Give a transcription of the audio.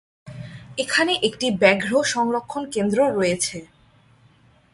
এখানে একটি ব্যাঘ্র সংরক্ষণ কেন্দ্র রয়েছে।